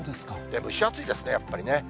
蒸し暑いですね、やっぱりね。